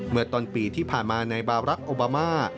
เมื่อต้นปีที่ผ่านมาในบารักษ์โอบามา